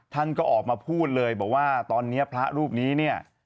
ท่านก็ออกมาพูดเลยบอกว่าตอนนี้พระรูปนี้เนี่ย